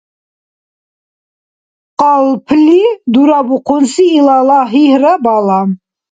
Къалпли дурабулхъуси илала гьигьра бала.